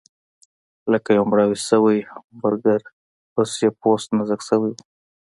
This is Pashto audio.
لکه یو مړاوی شوی همبرګر، اوس یې پوست نازک شوی و.